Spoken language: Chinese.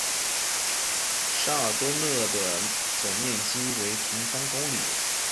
沙尔多讷的总面积为平方公里。